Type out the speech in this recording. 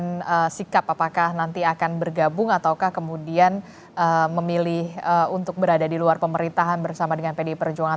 dan sikap apakah nanti akan bergabung ataukah kemudian memilih untuk berada di luar pemerintahan bersama dengan pdi perjuangan